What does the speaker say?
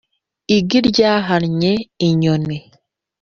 Igi ryahannye inyoni